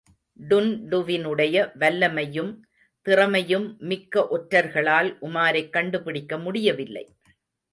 டுன்டுவினுடைய வல்லமையும் திறமையும்மிக்க ஒற்றர்களால் உமாரைக் கண்டுபிடிக்க முடியவில்லை.